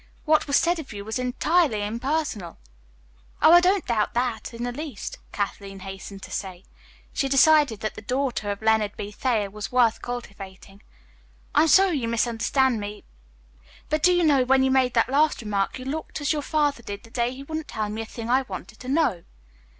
"What was said of you was entirely impersonal." "Oh, I don't doubt that in the least," Kathleen hastened to say. She had decided that the daughter of Leonard B. Thayer was worth cultivating. "I am sorry you misunderstood me; but do you know, when you made that last remark you looked as your father did the day he wouldn't tell me a thing I wanted to know."